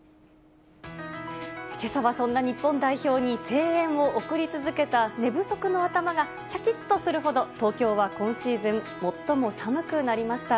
けさはそんな日本代表に声援を送り続けた寝不足の頭がしゃきっとするほど、東京は今シーズン最も寒くなりました。